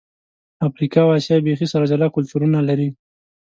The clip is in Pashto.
افریقا او آسیا بیخي سره جلا کلتورونه لري.